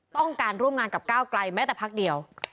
ต้องการร่วมงานกับก้าวไกลแม้แต่พักเดียว